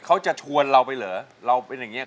เขาจะชวนเราไปเหรอเราเป็นอย่างนี้